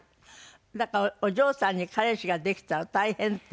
だからお嬢さんに彼氏ができたら大変と。